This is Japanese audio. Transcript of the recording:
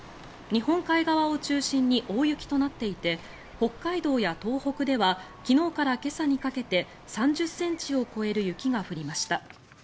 日本海側を中心に大雪となっていて北海道や東北では昨日から今朝にかけて３０ｃｍを超える雪が降りました。